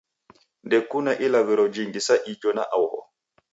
Ndekuna ilaghirio jingi sa ijo na oho